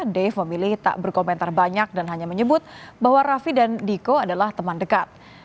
dave memilih tak berkomentar banyak dan hanya menyebut bahwa raffi dan diko adalah teman dekat